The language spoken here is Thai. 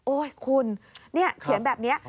คุณนี่เขียนแบบนี้